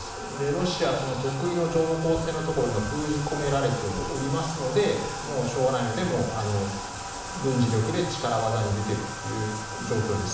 ロシア、得意の情報戦のところを封じ込められていますのでしょうがないので軍事力で力技に出ているという状況です。